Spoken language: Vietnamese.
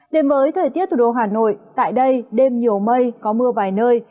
đến với thời tiết thủ đô hà nội tại đây đêm nhiều mây có mưa vài nơi